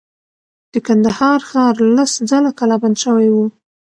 د کندهار ښار لس ځله کلا بند شوی و.